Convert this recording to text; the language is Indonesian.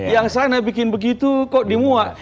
yang sana bikin begitu kok dimuat